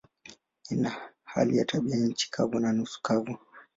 Ina hali ya tabianchi kavu na nusu kavu.